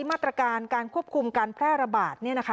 มาตรการการควบคุมการแพร่ระบาด